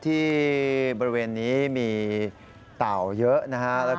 ที่บริเวณนี้มีเต่าเยอะนะฮะ